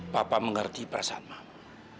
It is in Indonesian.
papa mengerti perasaan mama